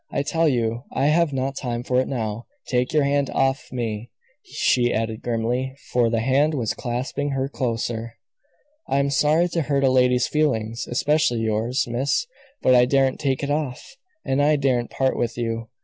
I tell you I have not time for it now. Take your hand off me," she added grimly for the hand was clasping her closer. "I am sorry to hurt a lady's feelings, especially yours, miss, but I daren't take it off, and I daren't part with you.